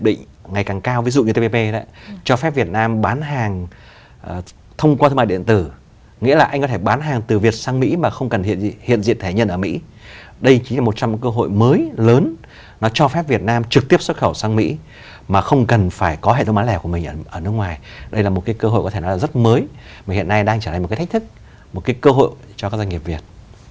đây là một cơ hội có thể nói là rất mới mà hiện nay đang trở thành một cái thách thức một cái cơ hội cho các doanh nghiệp việt